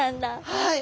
はい！